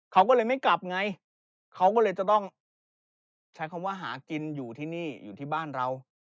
เขาก็เลยไม่กลับไงเขาก็เลยจะต้องใช้คำว่าหากินอยู่ที่นี่อยู่ที่บ้านเรา